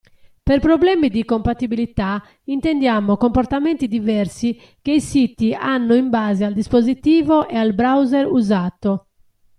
Per problemi di compatibilità intendiamo comportamenti diversi che i siti hanno in base al dispositivo e al browser usato.